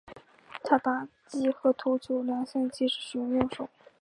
他打击和投球两项皆使用右手。